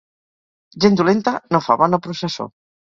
Gent dolenta no fa bona processó.